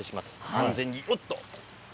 安全に、おっと。